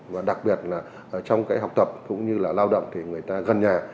và đặc biệt là trong cái học tập cũng như là lao động thì người ta gần nhà